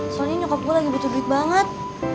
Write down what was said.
soalnya nyokok gue lagi butuh duit banget